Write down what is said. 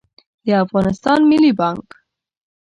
د افغانستان ملي بانګ